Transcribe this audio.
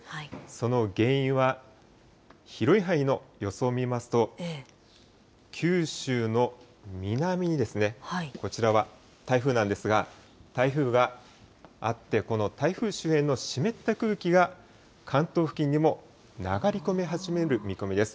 その原因は、広い範囲の予想を見ますと、九州の南に、こちらは台風なんですが、台風があって、この台風周辺の湿った空気が関東付近にも流れ込み始める見込みです。